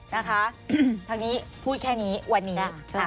นะคะคำนี้พูดแค่นี้ค่ะ